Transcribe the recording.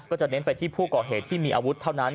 จะเน้นไปที่ผู้ก่อเหตุที่มีอาวุธเท่านั้น